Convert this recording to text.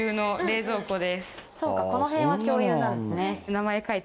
そうかこのへんは共有なんですね。